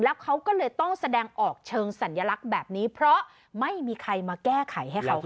แล้วเขาก็เลยต้องแสดงออกเชิงสัญลักษณ์แบบนี้เพราะไม่มีใครมาแก้ไขให้เขาค่ะ